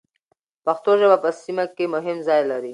پښتو ژبه په سیمه کې مهم ځای لري.